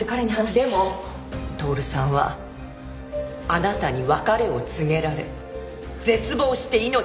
でも透さんはあなたに別れを告げられ絶望して命を絶った。